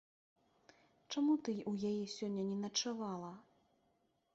Чаму ты ў яе сёння не начавала?